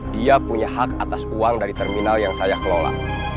dia punya hak atas uang dari terminal yang saya kelola